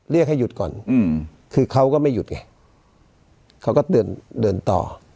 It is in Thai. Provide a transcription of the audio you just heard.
เรียกให้หยุดก่อนคือเขาก็ไม่หยุดไงเขาก็เดินเดินต่อ